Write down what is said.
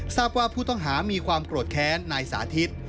ทราบว่าผู้ต้องหามีความโกรธแค้นนายสาธิต